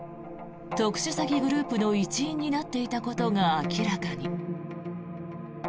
特殊詐欺グループの一員になっていたことが明らかに。